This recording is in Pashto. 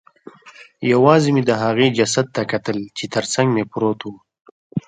یوازې مې د هغې جسد ته کتل چې ترڅنګ مې پروت و